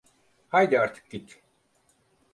Haydi artık git…